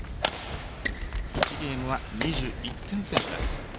１ゲームは２１点先取です。